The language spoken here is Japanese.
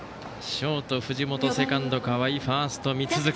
ショート、藤本セカンド、河合ファースト、三塚。